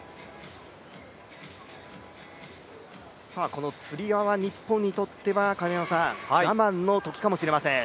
このつり輪は日本にとっては我慢のときかもしれません。